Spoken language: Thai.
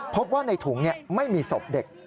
พบว่าในถุงไม่มีศพเด็ก